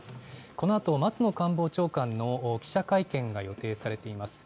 このあと松野官房長官の記者会見が予定されています。